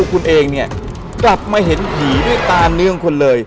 กลับมาเห็นผีด้วยตาเนื่องคนเลย